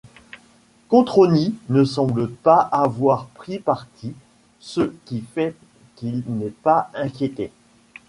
Cotroni ne semble pas avoir pris parti, ce qui fait qu'il n'est pas inquiété.